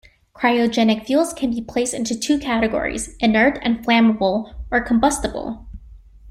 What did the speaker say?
Cryogenic fuels can be placed into two categories: inert and flammable or combustible.